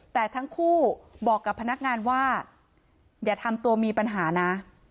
แต่ทั้งคู่บอกกับพนักงานว่าอย่าทำตัวมีปัญหานะ